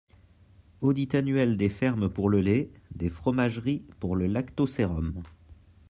Audit annuel des fermes pour le lait, des fromageries pour le lactosérum.